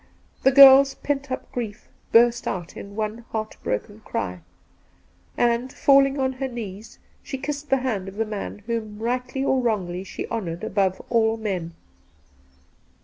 The girl's pent up grief burst out in one heart broken cry, and, falling on her knees, she kissed the hand of the ' man whom rightly or wrongly she honoured above all men.